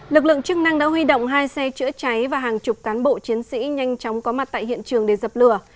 lực lượng chức năng đã huy động hai xe chữa cháy và hàng chục cán bộ chiến sĩ nhanh chóng có mặt tại hiện trường để dập lửa